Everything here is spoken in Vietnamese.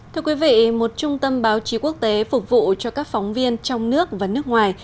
thưa quý vị một trung tâm báo chí quốc tế phục vụ cho các phóng viên trong nước và nước ngoài